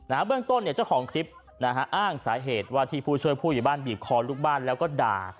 เบื้องต้นเนี่ยเจ้าของคลิปนะฮะอ้างสาเหตุว่าที่ผู้ช่วยผู้ใหญ่บ้านบีบคอลูกบ้านแล้วก็ด่า